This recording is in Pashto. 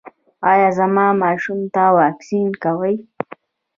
ایا زما ماشوم ته واکسین کوئ؟